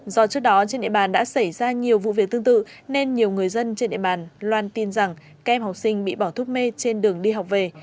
do trước đó trên địa bàn đã xảy ra nhiều vụ việc tương tự nên nhiều người dân trên địa bàn loan tin rằng các em học sinh bị bỏ thuốc mê trên đường đi học về